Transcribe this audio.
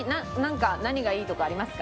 何がいいとかありますか？